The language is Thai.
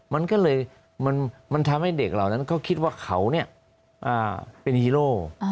มันทำให้เด็กเหล่านั้นก็คิดว่าเขาเป็นฮีโร่